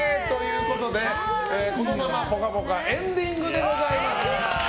このまま「ぽかぽか」エンディングでございます。